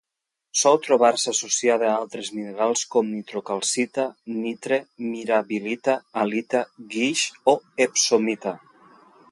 Sol trobar-se associada a altres minerals com: nitrocalcita, nitre, mirabilita, halita, guix o epsomita.